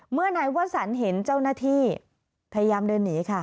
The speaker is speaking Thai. เมื่อนายวสันเห็นเจ้าหน้าที่พยายามเดินหนีค่ะ